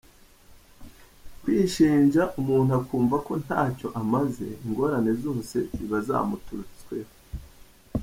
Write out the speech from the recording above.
Kwishinja, umuntu akumva ko ntacyo amaze, ingorane zose ziba zamuturutseho.